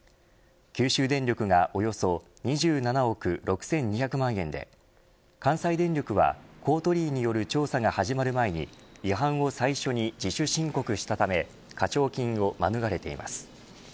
九州電力がおよそ２７億６２００万円で関西電力は、公取委による調査が始まる前に違反を最初に自主申告したため課徴金を免れています。